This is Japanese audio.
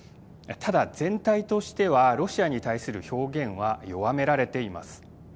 ただ、全体としてはロシアに対する表現は弱められています。